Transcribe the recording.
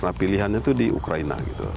nah pilihannya itu di ukraina gitu